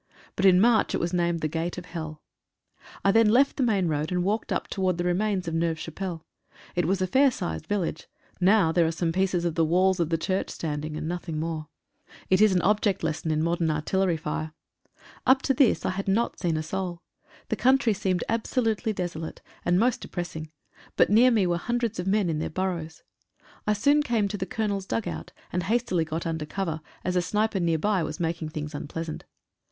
But in March it was named the Gate of Hell. I then left the main road, and walked up towards the remains of Neuve Chapelle. It was a fair sized village — now there are some pieces of the walls of the church standing — nothing more. It is an object 81 HORRORS OF WAR. lesson of modern artillery fire. Up to this I had not seen a soul. The country seemed absolutely desolate, and most depressing — but near me were hundreds of men in their burrows. I soon came to the Colonel's dug out, and hastily got under cover, as a sniper near by was making things unpleasant.